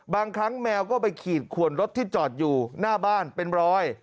บางครั้งแมวก็ไปขีดขวนรถที่จอดอยู่หน้าบ้านเป็นรอย